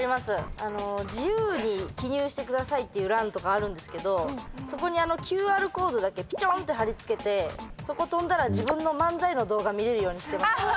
「自由に記入してください」っていう欄とかあるんですけどそこにＱＲコードだけぴちょんって貼り付けてそこ飛んだら自分の漫才の動画見れるようにしてました。